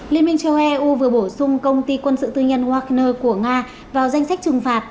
liên minh châu eu vừa bổ sung công ty quân sự tư nhân wagner của nga vào danh sách trừng phạt